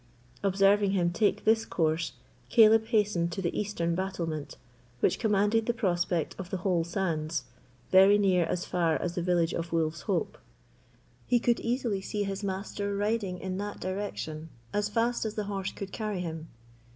Observing him take this course, Caleb hastened to the eastern battlement, which commanded the prospect of the whole sands, very near as far as the village of Wolf's Hope. He could easily see his master riding in that direction, as fast as the horse could carry him.